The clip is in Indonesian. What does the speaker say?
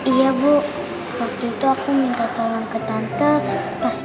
iya bu waktu itu aku minta tolong ke tante pas